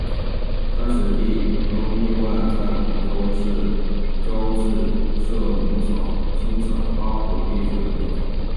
太史第更另外在广州市郊自设农场生产花果荔枝等等。